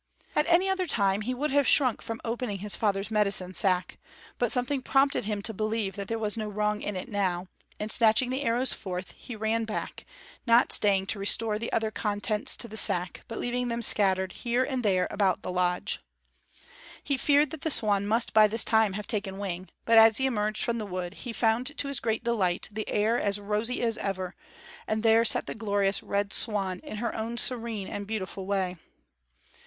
At any other time he would have shrunk from opening his father's medicine sack, but something prompted him to believe that there was no wrong in it now, and snatching the arrows forth, he ran back, not staying to restore the other contents to the sack but leaving them scattered, here and there, about the lodge. He feared that the swan must by this time have taken wing; but as he emerged from the wood, he found to his great delight the air as rosy as ever, and there sat the glorious Red Swan in her own serene and beautiful way.